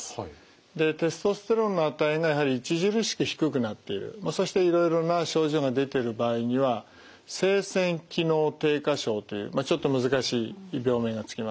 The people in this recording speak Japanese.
でテストステロンの値がやはり著しく低くなっているそしていろいろな症状が出てる場合には性腺機能低下症というちょっと難しい病名が付きます。